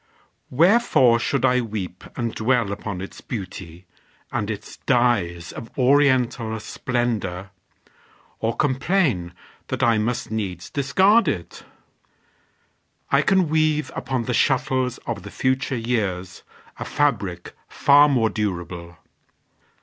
Wherefore should I weep And dwell upon its beauty, and its dyes Of oriental splendor, or complain That I must needs discard it? I can weave Upon the shuttles of the future years A fabric far more durable.